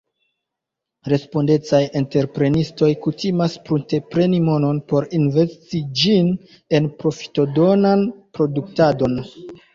Respondecaj entreprenistoj kutimas pruntepreni monon por investi ĝin en profitodonan produktadon.